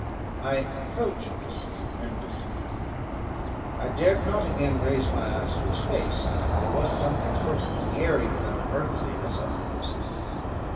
I approached this tremendous being; I dared not again raise my eyes to his face, there was something so scaring and unearthly in his ugliness.